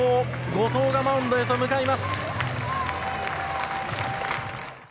後藤がマウンドへと向かいます。